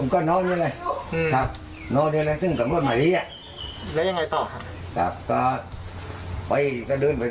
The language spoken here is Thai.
เคยคาที่แล้วเพื่อนที่แถวนี้ค่อนข้างเปรียวไหมครับไม่มีแสงไฟ